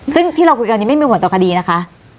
ซึ่งที่เราคุยกันนี้ไม่มีผลต่อคดีนะคะ